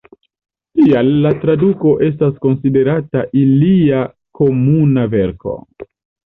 Tial la traduko estas konsiderata ilia komuna verko.